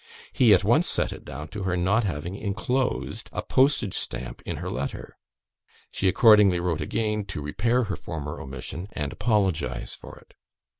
He at once set it down to her not having enclosed a postage stamp in her letter. She accordingly wrote again, to repair her former omission, and apologise for it.